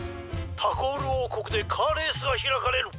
☎タコールおうこくでカーレースがひらかれる。